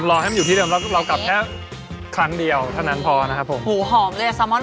รอให้มันอยู่ที่เดิมเรากลับแค่ครั้งเดียวถ้านั้นพอนะครับผม